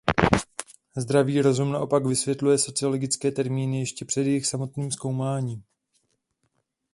Zdravý rozum naopak vysvětluje sociologické termíny ještě před jejich samotným zkoumáním.